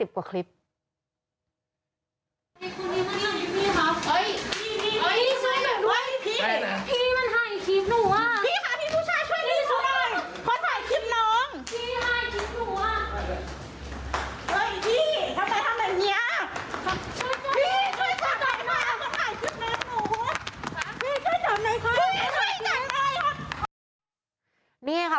๕๐กว่าคลิป